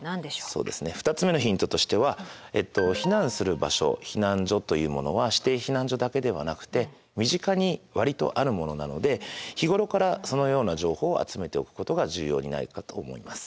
２つ目のヒントとしては避難する場所避難所というものは指定避難所だけではなくて身近に割とあるものなので日頃からそのような情報を集めておくことが重要になるかと思います。